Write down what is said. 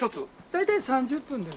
大体３０分です。